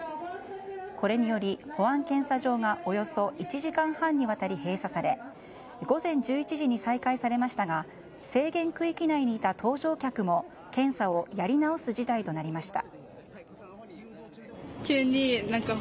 これにより保安検査場がおよそ１時間半にわたり閉鎖され午前１１時に再開されましたが制限区域内にいた搭乗者も検査をやり直す事態となりました。